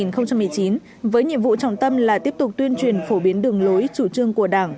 năm hai nghìn một mươi chín với nhiệm vụ trọng tâm là tiếp tục tuyên truyền phổ biến đường lối chủ trương của đảng